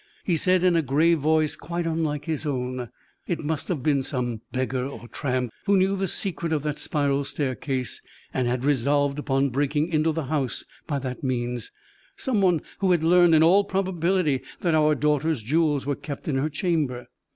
He said in a grave voice quite unlike his own: "It must have been some beggar or tramp, who knew the secret of that spiral staircase, and had resolved upon breaking into the house by that means some one who had learned, in all probability, that our daughter's jewels were kept in her chamber.